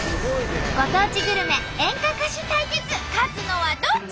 ご当地グルメ演歌歌手対決勝つのはどっち！？